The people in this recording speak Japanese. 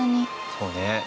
そうね。